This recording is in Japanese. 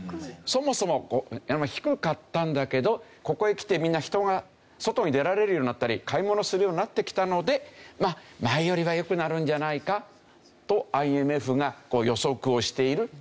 そもそも低かったんだけどここへきてみんな人が外に出られるようになったり買い物するようになってきたので前よりは良くなるんじゃないかとＩＭＦが予測をしていると。